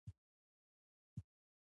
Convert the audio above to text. چوک کې ودرېږئ